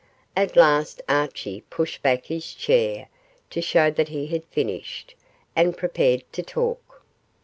At last Archie pushed back his chair to show that he had finished, and prepared to talk.